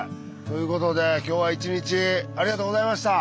ということで今日は一日ありがとうございました。